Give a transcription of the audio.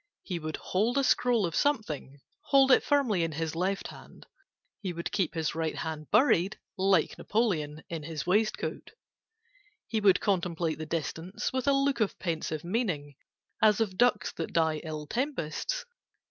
He would hold a scroll of something, Hold it firmly in his left hand; He would keep his right hand buried (Like Napoleon) in his waistcoat; He would contemplate the distance With a look of pensive meaning, As of ducks that die ill tempests.